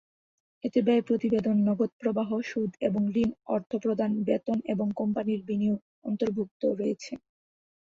এতে ব্যয় প্রতিবেদন, নগদ প্রবাহ, সুদ এবং ঋণ অর্থ প্রদান, বেতন এবং কোম্পানির বিনিয়োগ অন্তর্ভুক্ত রয়েছে।